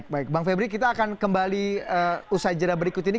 baik bang febri kita akan kembali usai jadwal berikut ini